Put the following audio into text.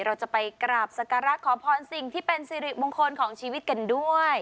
เราจะไปกราบสการะขอพรสิ่งที่เป็นสิริมงคลของชีวิตกันด้วย